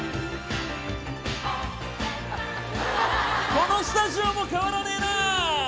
このスタジオも変わらねえな。